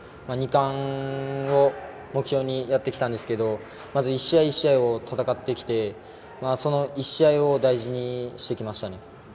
２冠を目標にやってきたんですけど１試合、１試合を戦ってきて１試合を大事にしてきました。